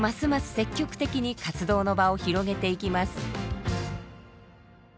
積極的に活動の場を広げていきます。